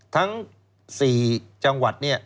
ทั้ง๔จังหวัดเนี่ย